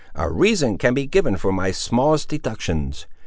A reason can be given for my smallest deductions.